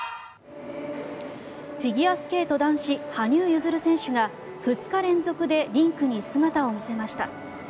フィギュアスケート男子羽生結弦選手が２日連続でリンクに姿を見せました。